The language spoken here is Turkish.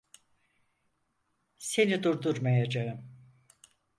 Seni durdurmayacağım.